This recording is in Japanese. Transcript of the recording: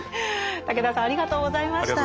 武田さんありがとうございました。